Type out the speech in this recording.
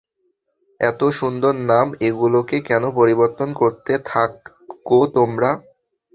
এতো সুন্দর নাম গুলোকে কেন পরিবর্তন করতে থাকো তোমারা?